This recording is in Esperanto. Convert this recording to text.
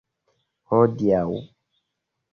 Hodiaŭ.